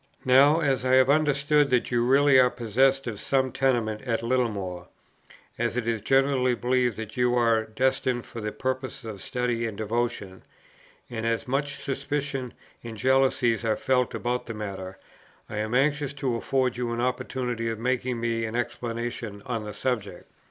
"Now, as I have understood that you really are possessed of some tenements at Littlemore, as it is generally believed that they are destined for the purposes of study and devotion, and as much suspicion and jealousy are felt about the matter, I am anxious to afford you an opportunity of making me an explanation on the subject.